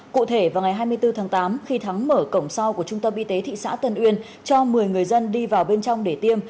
cụ thể vào ngày hai mươi bốn tháng tám khi thắng mở cổng sau của trung tâm y tế thị xã tân uyên cho một mươi người dân đi vào bên trong để tiêm